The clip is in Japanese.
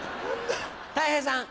たい平さん。